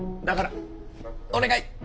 だからお願い！